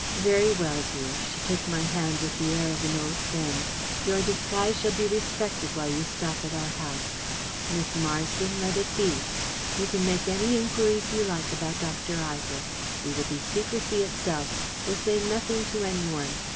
Very well, dear," she took my hand with the air of an old friend, "your disguise shall be respected while you stop at our house. Miss Marsden let it be. You can make any inquiries you like about Dr. Ivor. We will be secrecy itself. We'll say nothing to anyone.